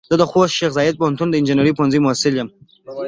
زه د خوست شیخ زايد پوهنتون د انجنیري پوهنځۍ محصل يم.